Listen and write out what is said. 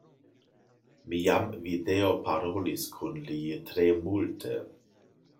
Mi jam videoparolis kun li tre multe.